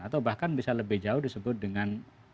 atau bahkan bisa lebih jauh disebut dengan